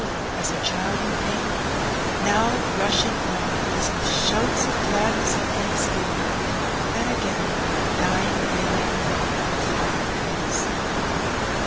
waUing as a child in pain; now rushing on as with shoots of gladness and thanksgiving, and again dying away like tiie wind in far off trees.